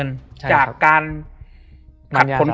เพื่อที่จะให้แก้วเนี่ยหลอกลวงเค